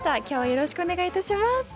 今日はよろしくお願いいたします。